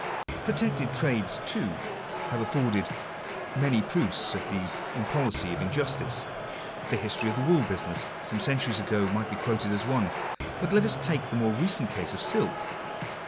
Protected trades, too, have afforded many proofs of the im policy of injustice. The history of the wool business some centuries ago might be quoted as one; but let us take the more recent case of silk.